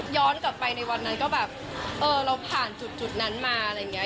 กลับไปในวันนั้นก็แบบเออเราผ่านจุดนั้นมาอะไรอย่างนี้